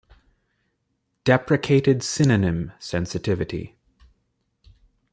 "Deprecated synonym" sensitivity.